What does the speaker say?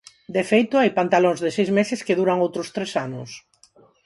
De feito, hai pantalóns de seis meses que duran outros tres anos.